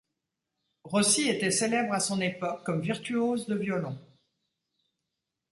Rossi était célèbre à son époque comme virtuose de violon.